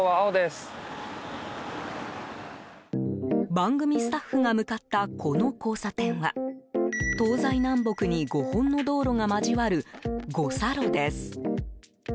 番組スタッフが向かったこの交差点は東西南北に５本の道路が交わる五差路です。